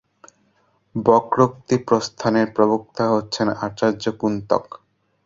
বক্রোক্তিপ্রস্থানের প্রবক্তা হচ্ছেন আচার্য কুন্তক।